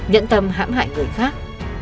nhận tầm hãm hại người khác